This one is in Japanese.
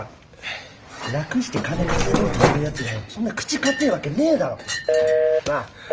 楽して金稼ごうとするやつがそんな口堅えわけねえだろ！なあ！